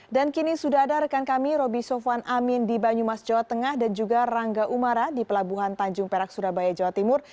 dan kini sudah ada rekan kami roby sofwan amin di banyumas jawa tengah dan juga rangga umara di pelabuhan tanjung perak surabaya jawa timur